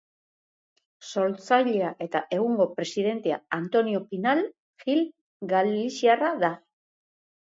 Sortzailea eta egungo presidentea Antonio Pinal Gil galiziarra da.